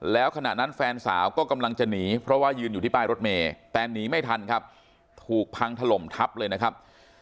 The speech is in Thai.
แล้วขณะนั้นแฟนสาวก็กำลังจะหนีเพราะว่ายืนอยู่ที่ป้ายรถเมย์แต่หนีไม่ทันครับถูกพังถล่มทับเลยนะครับ